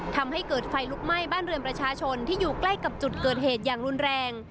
ทำให้เกิดไฟลุกไหม้บ้านเรือนประชาชนที่อยู่ใกล้กับจุดเกิดเหตุอย่างรุนแรง